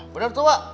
bener tuh wak